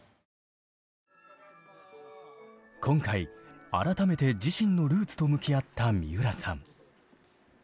今回改めて自身のルーツと向き合った三浦さん。